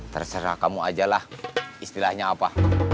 terserah kamu ajalah istilahnya apa